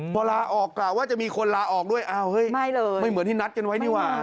พอลาออกกล่าวว่าจะมีคนลาออกด้วยอ้าวเฮ้ยไม่เลยไม่เหมือนที่นัดกันไว้นี่ว่า